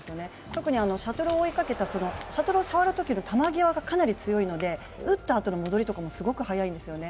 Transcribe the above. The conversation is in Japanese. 特にシャトルを追いかけた、シャトルを触るときの球際がかなり強いので、打ったあとの戻りとかもすごく速いんですよね。